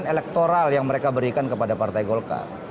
elektoral yang mereka berikan kepada partai golkar